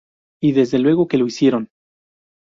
Y desde luego que lo hicieron.